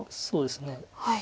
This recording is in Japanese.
そうですね。